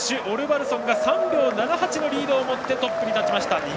オルバルソンが３秒７８のリードを持ってトップに立ちました。